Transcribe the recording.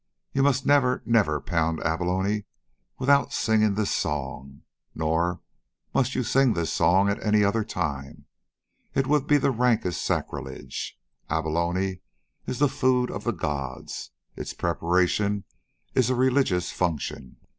"You must never, never pound abalone without singing this song. Nor must you sing this song at any other time. It would be the rankest sacrilege. Abalone is the food of the gods. Its preparation is a religious function.